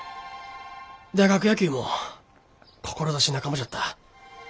大学野球も志半ばじゃった。